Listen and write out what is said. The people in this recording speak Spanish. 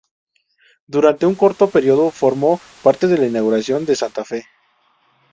Durante un corto período, formó parte de la guarnición de Santa Fe.